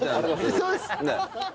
そうです。